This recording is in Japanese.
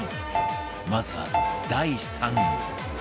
まずは第３位